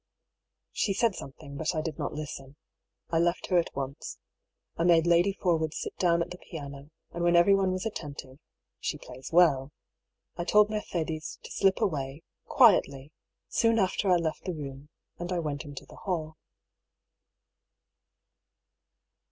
She said something, but I did not listen. I left her at once. I made Lady Forwood sit down at the piano, and when everyone was attentive (she plays well) I told Mercedes to slip away, quietly, soon after I left the room, and I went into the hall.